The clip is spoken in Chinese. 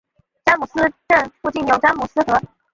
詹姆斯镇附近有詹姆斯河。